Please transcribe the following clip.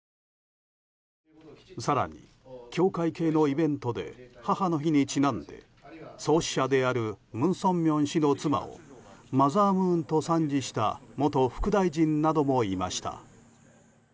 更に、教会系のイベントで母の日にちなんで創始者である文鮮明氏の妻をマザー・ムーンと賛辞した元副大臣などもいました。